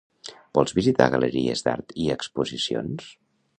Vols visitar galeries d'art i exposicions?